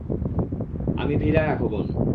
আমি ভীরা রাঘবন।